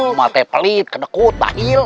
kamu mati pelit kedekut bahil